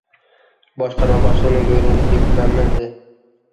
Boshqarma boshlig‘ining buyrug‘i «teppa»midi?